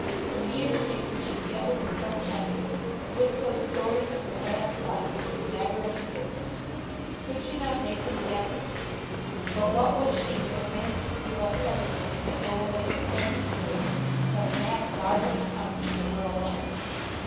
If he and she could be together in some country in which those stories of her past life would be matter of indifference, could she not make him happy? But what was she that a man should give up everything and go away and spend his days in some half barbarous country for her alone?